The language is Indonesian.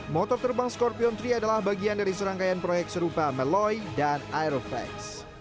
motor terbang skorpion tiga adalah bagian dari serangkaian proyek serupa malloy dan aerofex